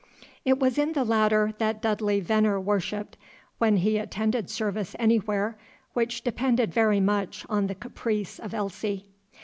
It was in the latter that Dudley Venner worshipped, when he attended service anywhere, which depended very much on the caprice of Elsie.